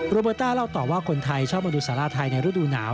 เบอร์ต้าเล่าต่อว่าคนไทยชอบมาดูสาราไทยในฤดูหนาว